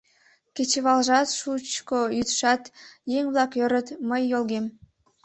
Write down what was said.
Кечывалжат, шучко йӱдшат Еҥ-влак ӧрыт — мый йолгем;